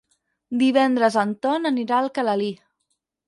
Divendres en Ton anirà a Alcalalí.